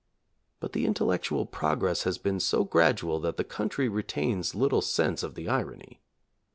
But the intellectual progress has been so gradual that the country re tains little sense of the irony.